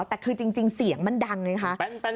แต่คือจริงเสียงมันดังไงคะ